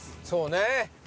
そうね。